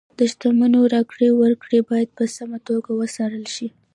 د شتمنیو راکړې ورکړې باید په سمه توګه وڅارل شي.